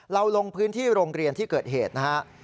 ลงพื้นที่โรงเรียนที่เกิดเหตุนะฮะ